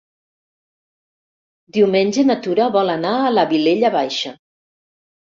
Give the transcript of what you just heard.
Diumenge na Tura vol anar a la Vilella Baixa.